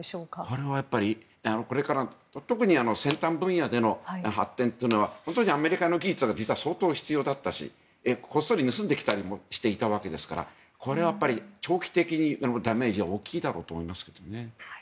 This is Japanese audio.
これはこれから特に先端分野での発展というのは本当にアメリカの技術が相当、必要だったしこっそり盗んできたりもしていたわけですからこれは長期的にダメージは大きいと思いますがね。